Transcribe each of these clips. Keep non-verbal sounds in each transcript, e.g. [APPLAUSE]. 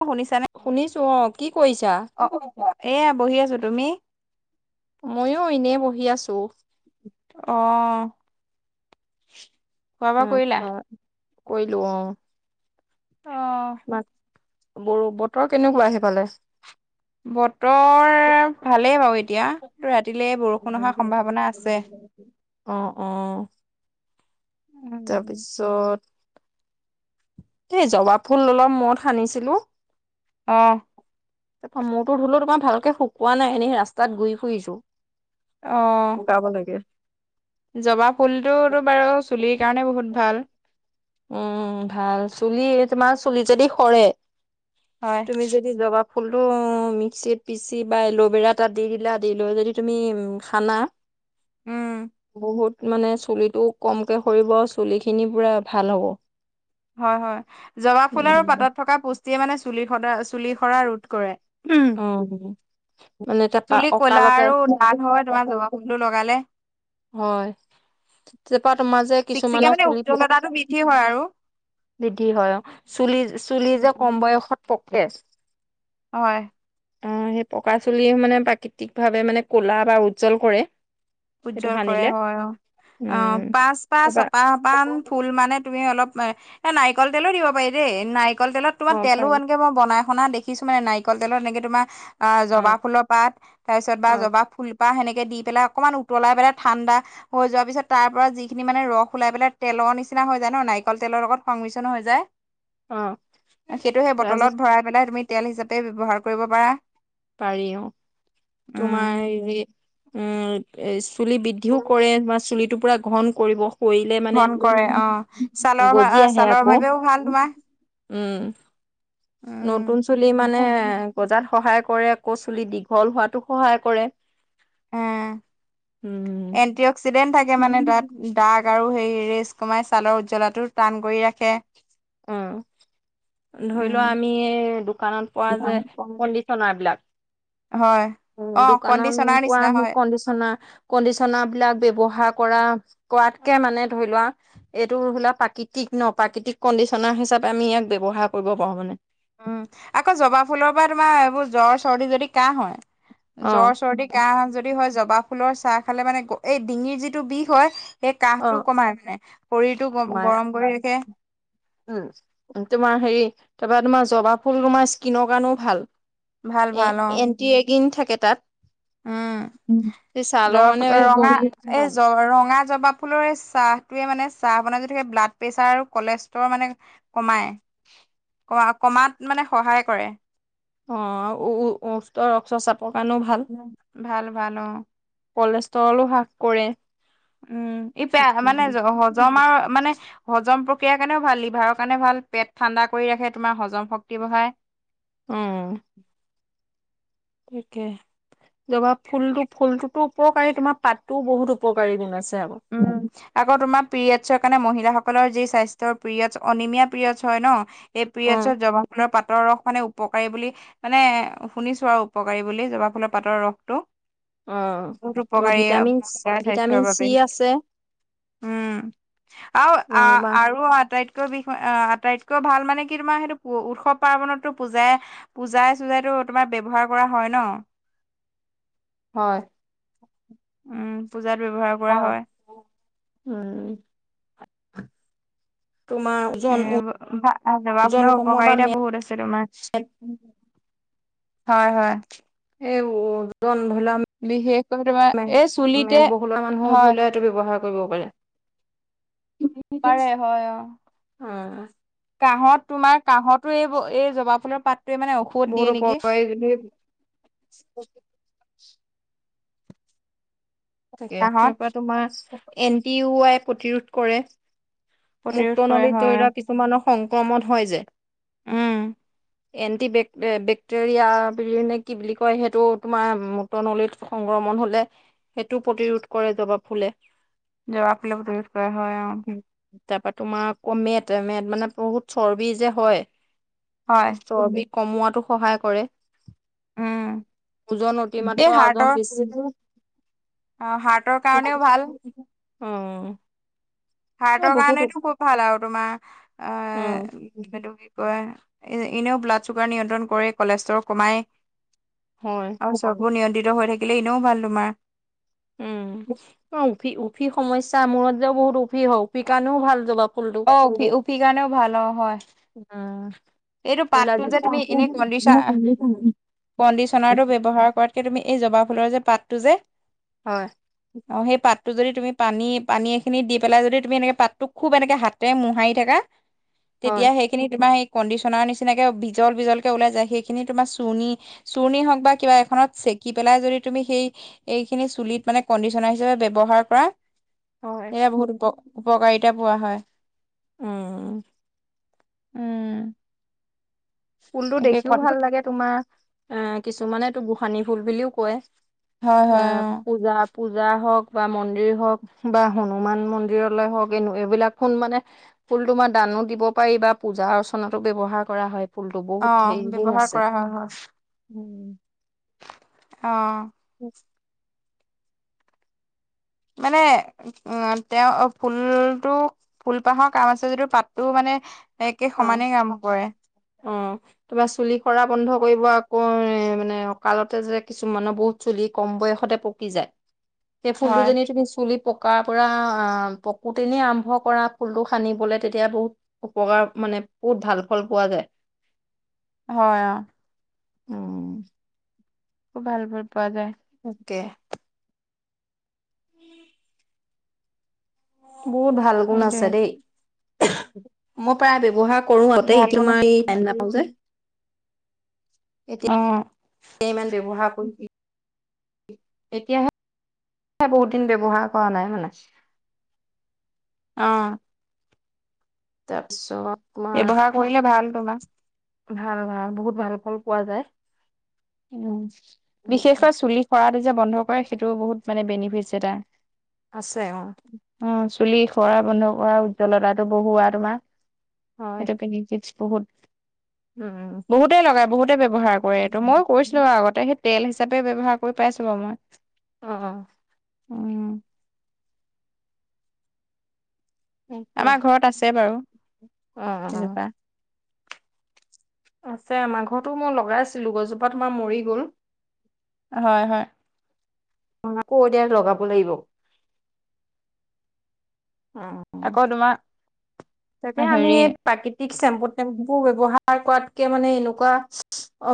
অ শুনিছানে? শুনিছো অ কি কৰিছা অ এয়া বহি আছো তুমি? মইয়ো এনে বহি আছো। অ। খোৱা বোৱা তা কৰিলা? পা কৰিলো অঁ। অ', ব বতৰ কেনেকুৱা হেই ফালে? বতৰ ভালেই বাৰু এতিয়া, কিন্তু ৰাতিলে বৰষুণ অহাৰ সম্ভাৱনা আছে। অ অ। তাৰ পিছত - এই জবাব ফুল অলপ মুৰত সানিছিলো। অঁ। মূৰটো ধুলো তোমাৰ ভালকে শুকোৱা নাই, এনেই ৰাস্তাত ঘূৰি ফুৰিছোঁ। অ', শুকাব লাগে। জবা ফুল টোতো বাৰু চুলিৰ কাৰণে বহুত ভাল। উম ভাল, চুলি তোমাৰ চুলি যদি সৰে। হয়, তুমি যদি জবা ফুলটো মিক্সিত পিচি বা এল'ভেৰা তাত দি দিলা দি লৈ যদি তুমি সানা। উম, বহুত মানে চুলিটো কমকে সৰিব চুলিখিনি পুৰা ভাল হ'ব। হয় হয়, জবা ফুলৰ উম, পাতত থকা পুষ্টিয়ে মানে চুলি সদ চুলি সৰা ৰোধ কৰে। উম, অ মানে তাৰপা চুলি কলা অকালতে আৰু ভাল হয় তোমাৰ জবা ফুলটো লগালে। হয়, তাৰপা তোমাৰ যে চিকচিকিয়া কিছুমানৰ মানে চুলি উজ্জ্বলতাটো বৃদ্ধি হয় আৰু। বৃদ্ধি হয় অ', চুলি চুলি যে কম বয়সত পকে। হয়। অ', সেই পকা চুলি মানে প্ৰাকৃতিক ভাৱে মানে ক'লা বা উজ্জ্বল কৰে। সেইটো উজ্জ্বল কৰে সানিলে হয় অ'। অ', উম তাৰপা পাচপা-ছপাহপান ফুল মানে তুমি অলপ এ নাৰিকল তেলো দিব পাৰি দেই। নাৰিকল তেলত তোমাৰ অ তেলো পাৰি এনেকে মই বনাই সনা দেখি কিছুমানে নাৰিকল তেলত এনেকে তোমাৰ অ জবাফুলৰ পাত তাৰপিছত বা অ জবা ফুল বা সেনেকে দি পেলাই অকমান উতলাই দি পেলাই ঠাণ্ডা হৈ যোৱাৰ পিছত তাৰ পৰা যিখিনি মানে ৰস ওলাই পেলাই তেলৰ নিচিনা হৈ যায় ন? নাৰিকল তেলৰ লগত সংমিশ্ৰণ হৈ যায়। অ সেইটো সেই তাৰপিছত বটলত ভৰাই পেলাই তুমি তেল হিচাপে ব্যৱহাৰ কৰিব পাৰা। পাৰি অ', তোমাৰ উম [UNINTELLIGIBLE] এ চুলি বৃদ্ধিও কৰে বা চুলিটো পুৰা ঘন কৰিব। সৰিলে মানে ঘন কৰে অ ছালৰ গজি আহে ছালৰ আকৌ। বাবেও ভাল তোমাৰ উম, উম নতুন চুলি মানে গজাত সহায় কৰে, আকৌ চুলি দীঘল হোৱাতো সহায় কৰে। এ, উম। এন্টি-অক্সিডেন্ট থাকে মানে তাত। দাগ আৰু সেই ৰেচ কমাই, ছালৰ উজ্জ্বলতাটো টান কৰি ৰাখে। উম, ধৰি উম লোৱা আমি এই দোকানত পোৱা যে কণ্ডিচনাৰ বিলাক হয়, অঁ, কণ্ডিচনাৰ নিচিনা হয়। কণ্ডিচনাৰবিলাক ব্যৱহাৰ কৰা-কৰাতকে মানে ধৰি লোৱা। এইটো [UNINTELLIGIBLE] প্ৰাকৃতিক ন? প্ৰাকৃতিক কণ্ডিচনাৰ হিচাপে আমি ইয়াক ব্যৱহাৰ কৰিব পাৰো মানে। উম, আকৌ জবা ফুলৰ পৰা তোমাৰ এইবোৰ জ্বৰ-চৰ্দি যদি কাহ হয়, অ' জ্বৰ-চৰ্দি কাহ যদি হয়, জবা ফুলৰ চাহ খালে মানে এই ডিঙিৰ যিটো বিষ হয়, সেই কাহটো অ' কমাই মানে, শৰীৰটো তোমাৰ গৰম কৰি ৰাখে। উম, তোমাৰ হেৰি তাৰপৰা তোমাৰ জবা ফুল তোমাৰ স্কিনৰ কাৰণেও ভাল। ভাল ভাল অ এ-এণ্টিৰেগিং থাকে তাত। উম, এই ছালৰ [UNINTELLIGIBLE] মানে ফুলৰ বলি এই চাহটোৱে মানে চাহ বনাই যদি ব্লাড প্ৰেছাৰ আৰু কলেষ্ট্ৰৰ মানে কমাই, কমা-কমাত মানে সহায় কৰে। অ', আও উক্ত ৰক্তচাপ কাৰণেও ভাল। ভাল, ভাল। অ'। কলেষ্ট্ৰৰলো হ্ৰাস কৰে। উম, [UNINTELLIGIBLE] মানে হজম আৰু মানে হজম প্ৰক্ৰিয়াৰ কাৰণেও ভাল, লিভাৰৰ কাৰণে ভাল। পেট ঠাণ্ডা কৰি ৰাখে তোমাৰ হজম শক্তি বঢ়ায়। অ'। তাকে। জবা ফুলোতো ফুলটোতো উপকাৰী তোমাৰ পাতটোও বহুত উপকাৰী গুণ আছে আকৌ উম আকৌ, তোমাৰ পিৰিয়ডছৰ কাৰণে মহিলাসকলৰ যি স্বাস্থ্য পিৰিয়ডছ অনিমিয়া পিৰিয়ডছ হয় ন? এই অ পিৰিয়ডছত জবা ফুল পাতৰ ৰস মানে উপকাৰী বুলি মানে শুনিছো আৰু উপকাৰী বুলি জবা ফুলৰ পাতৰ ৰসটো অ বহুত তোমাৰ উপকাৰী ভিটামিন ভিটামিন স্বাস্থ্যৰ চি বাবে আছে উম আৰু আ হয় আৰু আৰু আটাইতকৈ বিষ আটাইতকৈ ভাল মানে কি তোমাৰ সেইটো উৎসৱ পাৰ্বনতো পূজাই পূজাই চুজাইতো তোমাৰ ব্যৱহাৰ কৰা হয় ন হয়। উম পূজাত ব্যৱহাৰ হয় উম তোমাৰ ওজন জবা ওজন ফুলৰ কমোৱা বা উপকাৰিতা মেদ বহুত আছে তোমাৰ। হয় হয় এই উ ওজন ধৰি বিশেষকৈ তোমাৰ লোৱাে এই মেদ চুলিতে মেদবহুলোৱা মানুহ হয় ধৰি লোৱা ব্যৱহাৰ কৰিব পাৰে পাৰে হয়, অ' উম, কাঁহত তোমাৰ কাঁহতো এই এই জবা ফুলৰ পাতটোৱে মানে ঔষধ বহুত দিয়ে নেকি উপকাৰী সেইৰি তাকে তাৰ কাহত পৰা তোমাৰ এন টি ইউ আই প্ৰতিৰোধ কৰে মূট প্ৰতিৰোধ কৰে নলিত হয় ধৰি লোৱা কিছুমানৰ সংক্ৰমণ হয় যে উম এণ্টি বেক বেক্টেৰিয়া বুলিয়ে নে কি বুলি কয় সেইটো তোমাৰ মূ ত নলীত সংক্ৰমণ হ'লে সেইটো প্ৰতিৰোধ কৰে জবাব ফুলে জবা ফুলে প্ৰতিৰোধ কৰা হয় অ' তাপা তোমাৰ আকৌ মেট মেট মানে বহুত চৰ্বি যে হয় হয় চৰ্বি কমোৱাতো সহায় কৰে উম ওজন এই অতিমাত্ৰ হাৰ্টৰ আজন [UNINTELLIGIBLE] অ হাৰ্টৰ কাৰণেও ভাল অ এই হাৰ্টৰ বহুত কাৰণেইটো খুব ভাল আৰু তোমাৰ এ অ সেইটো কি কয় এনেও ব্লাড চুগাৰ নিয়ন্ত্ৰণ কৰে কলেষ্ট্ৰৰো কমাই হয় আৰু চকু নিয়ন্ত্ৰিত হৈ থাকিলে এনেও ভাল তোমাৰ উম, অ' উফি, উফি সমস্যা মূৰত যে বহুত উফি হয়, উফি কাৰণেও ভাল জলপ অ উফি উফি কাৰণেও ভাল অ হয় উম এইটো পাতটো যে তুমি এনে কণ্ডিচন কণ্ডিশনাৰটো ব্যৱহাৰ কৰা তকে তুমি এই জবা ফুলৰ যে পাতটো যে হয় অ', সেই পাতটো যদি তুমি পানী পানী এখিনি দি পেলাই যদি তুমি এনেকে পাতটো খুব এনেকে হাতেৰে মোহাৰি থাকা হয় তেতিয়া সেইখিনি তোমাৰ সেই কণ্ডিচনাৰ নিচিনাকে বিজল বিজলকে ওলাই যায় সেইখিনি তোমাৰ চুৰ্ণী চুৰ্ণি হওক বা কিবা এখনত চেকি পেলাই যদি তুমি সেই এইখিনি চুলিত মানে কণ্ডিচনাৰ হিচাপে ব্যৱহাৰ কৰা হয় সেয়া বহুত উপ উপকাৰিতা পোৱা হয়। উম উম ফুলটো একে দেখিও ভাল লাগে তোমাৰ এ কিছুমানেটো গোসানী ফুল বুলিও কয় হয় এ হয় অ পূজাত পূজা হওঁক বা মন্দিৰ হওঁক বা হনুমান মন্দিৰলে হওঁক এনে এইবিলাকখোন মানে ফুল তোমা দানো দিব পাৰি, পূজা অৰ্চনা ব্যৱহাৰ কৰা হয়। ফুলটো অ বহুত হেৰি গুণ ব্যৱহাৰ আছে, কৰা হয় হয় উম অ উম মানে অ তেওঁ ফুলটো ফুলপাহৰ কাম আছে যিটো পাতটো মানে একে অ সমানে কাম কৰে অ তোমাৰ চুলি হৰা বন্ধ কৰিব আকৌ বৰ মানে অকালতে যে কিছুমানৰ বহুত চুলি কম বয়সতে পকি যায় সেই ফুলটো হয় যেনি তুমি চুলি পক কা পৰা পকুতেনেই আৰম্ভ কৰা ফুলটো সানিবলে তেতিয়া বহুত উপকাৰ মানে বহুত ভাল ফল পোৱা যায় হয় অ অ খুব ভাল ফল পোৱা যায় অকে বহুত ভাল গুণ সেইটোৱে আছে দেই, মোৰ প্ৰায় ব্যৱহাৰ কৰোঁঙ আগতে ভাল গুণ এতিয়া আছে মই টাইম নাপাওঁ যে অ' ইমান ব্যৱহাৰ কৰিবি এতিয়াহে বহুত দিন ব্যৱহাৰ কৰা নাই মানে অ তাৰপিছত তোমাৰ ব্যৱহাৰ কৰিলে ভাল পাবা ভাল ভাল বহুত ভাল ফল পোৱা যায় উম বিশেষকৈ চুলি সৰাটো যে বন্ধ কৰে সেইটোও বহুত মানে বেনিফিটছ এটা আছে অ অ চুলি সৰা, বন্ধ কৰা উজ্জ্বলতাটো বঢ়োৱা তোমাৰ হয় [INAUDIBLE] উম বহুতে লগাই বহুতে ব্যৱহাৰ কৰে এইটো মোও উম কৰিছিলো বাৰু আগতে সেই তেল হিচাপে ব্যৱহাৰ কৰি পাইছোঁ বাঅ মই অ অ উম তাকে আমাৰ ঘৰত আছে বাৰু অ এজোপা আছে আমাৰ ঘটো মই লগাইচিলোঁ গছজোপা তোমাৰ মৰি গ'ল হয়, হয় অ আকৌ এতিয়া লগাব লাগিব অ অ আকৌ তোমাৰ তাকে আমি হেৰি এই প্ৰাকৃতিক চেম্পু টেম্পু ব্যৱহাৰ কৰাতকে মানে এনেকুৱা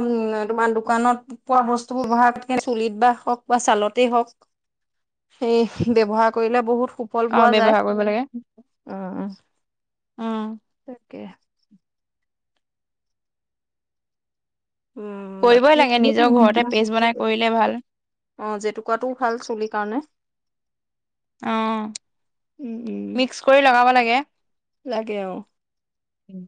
অ', উ তোমাৰ দোকানত পোৱা বস্তু ব ব্যৱহাৰ চুলিত বা হওক বা ছালতেই হওক সেই ব্যৱহাৰ কৰিলে বহুত সুফল অ পোৱা যায়! ব্যৱহাৰ কৰিব লাগে উ, উ উম তাকে উম কৰিবই বাকী লাগে নিজৰ ঘৰতে পেষ্ট বনাই কৰিলে ভাল অ জেতুকাত টোও ভাল চুলিৰ কাৰণে অ', উম উম মিক্স কৰি লগাব লাগে। লাগে আৰু উম।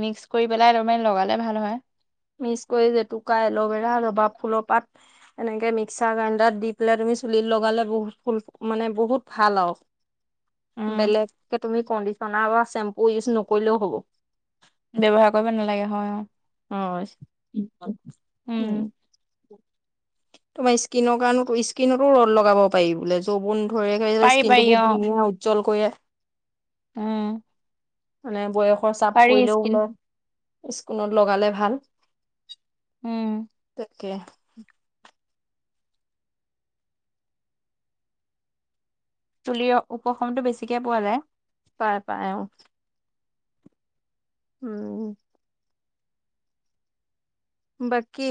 মিক্স কৰি পেলাই তোমাৰ লগালে ভাল হয়। মিক্স কৰি জেতুকা এল'ভেৰা জবা ফুলৰ পাত এনেকে মিক্সাৰ গ্ৰাইণ্ডাৰত দি পেলাই তুমি চুলিত লগালে বহুত ফুল মানে বহুত ভাল আৰু [INAUDIBLE] বেলেগকে তুমি কণ্ডিচনাৰ বা চেম্পু ইউজ নকৰিলেও হ'ব! ব্যৱহাৰ কৰিব নালাগে হয় অ অ উম। তোমাৰ স্কিনৰ কাৰণ স্কিনতো ৰ'দ লগাব পাৰি বোলে যৌবন ধৰিলে পাৰি পাৰি স্কিনটো অ বহুত ধুনীয়া উজ্জ্বল কৰি উম। মানে বয়সৰ চাপ পাৰি পৰিলেওঁ স্কিন ওলায়। স্কুলত লগালে ভাল। উম। কে তুলিৰ উপশতো বেছিকে পোৱা যায়। পাই পায় অ উম বাকী